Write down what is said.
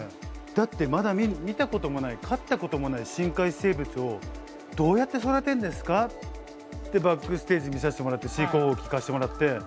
だってまだ見たこともない飼ったこともない深海生物をどうやって育てるんですかってバックステージ見させてもらって飼育方法を聞かせてもらって。